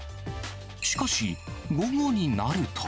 しかし、午後になると。